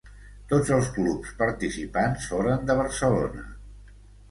Tots els clubs participants foren de Barcelona.